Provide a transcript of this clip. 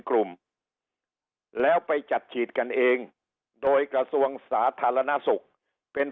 กลุ่มแล้วไปจัดฉีดกันเองโดยกระทรวงสาธารณสุขเป็น